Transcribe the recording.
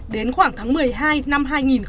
đến khoảng tháng một mươi hai năm hai nghìn hai mươi hai